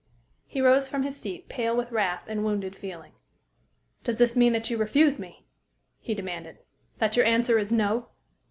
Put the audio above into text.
He rose from his seat pale with wrath and wounded feeling. "Does this mean that you refuse me?" he demanded, "that your answer is 'no'?"